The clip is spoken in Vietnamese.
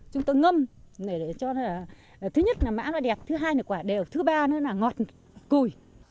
chúng tôi ngâm để cho thứ nhất là mã nó đẹp thứ hai là quả đẹp thứ ba nữa là ngọt cùi